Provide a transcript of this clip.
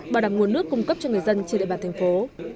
bảo đảm nguồn nước cung cấp cho người dân trên địa bàn thành phố